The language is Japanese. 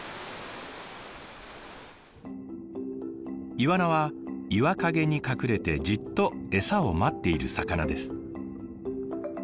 イワナは岩陰に隠れてじっと餌を待っている魚です。